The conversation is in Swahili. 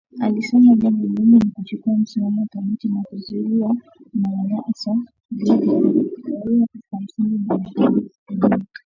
Alisema jambo muhimu ni kuchukua msimamo thabiti na kuzuia manyanyaso dhidi ya raia kwa msingi wa taarifa za kuaminika